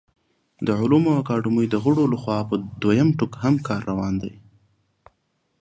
د علومو اکاډمۍ د غړو له خوا په دویم ټوک هم کار روان دی